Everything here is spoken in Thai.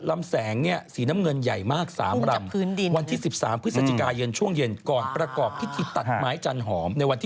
ลำแสงสีน้ำเงินใหญ่มาก๓ลำวันที่๑๓พฤศจิกายเย็นช่วงเย็นก่อนประกอบพิธีตัดไม้จันทร์หอม